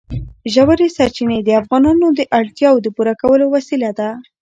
ژورې سرچینې د افغانانو د اړتیاوو د پوره کولو وسیله ده.